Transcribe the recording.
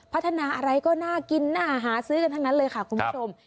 พัฒนาอะไรก็น่ากินน่าหาซื้อกันทั้งนั้นเลยค่ะคุณผู้ชม